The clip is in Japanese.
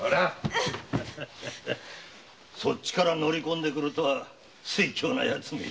そっちから乗りこんでくるとは酔狂なヤツ！